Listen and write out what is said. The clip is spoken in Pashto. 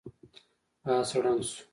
آس ړنګ شو.